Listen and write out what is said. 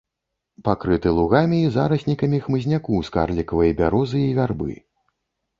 Пакрыты лугамі і зараснікамі хмызняку з карлікавай бярозы і вярбы.